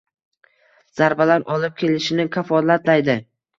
zarbalar olib kelishini kafolatlaydi;